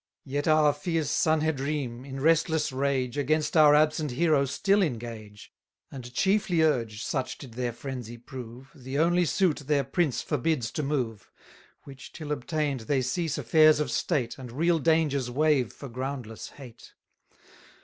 Yet our fierce Sanhedrim, in restless rage, Against our absent hero still engage, 720 And chiefly urge, such did their frenzy prove, The only suit their prince forbids to move, Which, till obtain'd, they cease affairs of state, And real dangers waive for groundless hate.